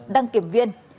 đăng kiểm viên